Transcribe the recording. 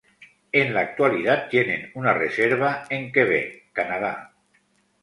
En la actualidad tienen una reserva en Quebec, Canadá.